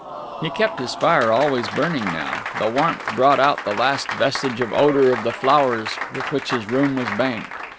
He kept his fire always burning now; the warmth brought out the last vestige of odour of the flowers with which his room was banked.